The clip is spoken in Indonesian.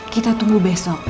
kita tunggu besok